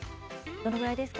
どのくらいですか？